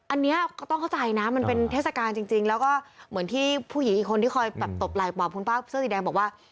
อันนี้ก็ต้องเข้าใจนะมันเป็นเทศกาลจริงแล้วก็เหมือนที่ผู้หญิงอีกคนที่คอยแบบตบไหล่ปอบคุณป้าเสื้อสีแดงบอกว่า